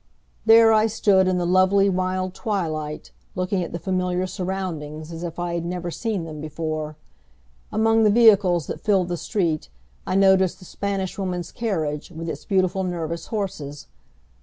There I stood in the lovely, mild twilight, looking at the familiar surroundings as if I had never seen them before. Among the vehicles that filled the street I noticed the Spanish Woman's carriage, with its beautiful nervous horses.